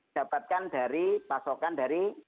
dapatkan dari pasokan dari